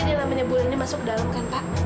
dia namanya bulannya masuk ke dalam kan pak